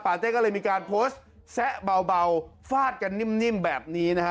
เต้ก็เลยมีการโพสต์แซะเบาฟาดกันนิ่มแบบนี้นะฮะ